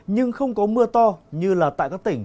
nhưng không có mưa to như là tại các tỉnh